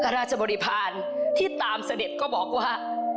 ราชบริพาณที่ตามเสด็จก็บอกว่า